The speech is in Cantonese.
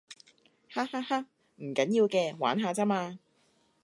哈哈哈，唔緊要嘅，玩下咋嘛